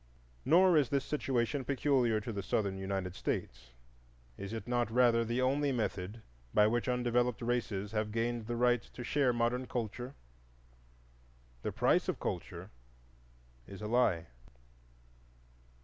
Nor is this situation peculiar to the Southern United States, is it not rather the only method by which undeveloped races have gained the right to share modern culture? The price of culture is a Lie.